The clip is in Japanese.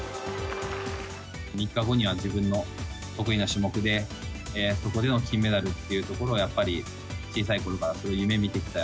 ３日後には自分の得意な種目で、そこでの金メダルっていうところをやっぱり小さいころからそれを夢みてきた。